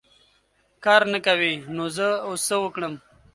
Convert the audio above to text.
کار نه کوې ! نو زه اوس څه وکړم .